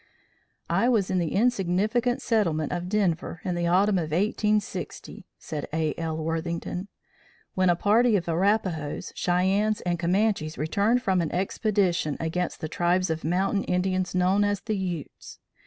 "I was in the insignificant settlement of Denver, in the autumn of 1860," said A. L. Worthington, "when a party of Arapahoes, Cheyennes and Comanches returned from an expedition against the tribe of mountain Indians know as the Utes.